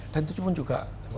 dan itu cuman juga